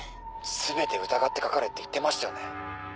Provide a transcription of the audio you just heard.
「全て疑って掛かれ」って言ってましたよね？